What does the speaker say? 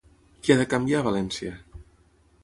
Què ha de canviar a València?